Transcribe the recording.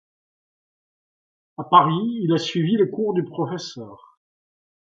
À Paris, il a suivi les cours du Pr.